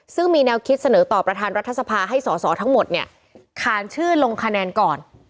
ซึ่งมีแนวคิดเสนอต่อประธานรัฐสภาให้สอสอทั้งหมดเนี่ยขานชื่อลงคะแนนก่อน